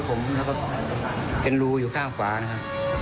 ผมแล้วก็เป็นรูอยู่ข้างขวานะครับ